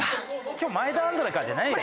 「今日前田アンドレか」じゃないよ。